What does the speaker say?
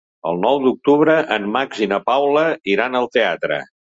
El nou d'octubre en Max i na Paula iran al teatre.